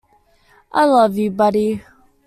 I love you, buddy.